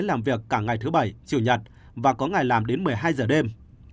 làm việc cả ngày thứ bảy chủ nhật và có ngày làm đến một mươi hai giờ đêm